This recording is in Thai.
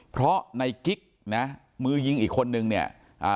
เพราะในกิ๊กนะมือยิงอีกคนนึงเนี่ยอ่า